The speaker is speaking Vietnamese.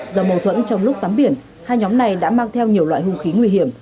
do mâu thuẫn trong lúc tắm biển hai nhóm này đã mang theo nhiều loại hung khí nguy hiểm